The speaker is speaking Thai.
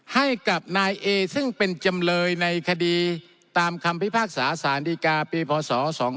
ให้กับนายเอซึ่งเป็นจำเลยในคดีตามคำพิพากษาสารดีกาปีพศ๒๕๖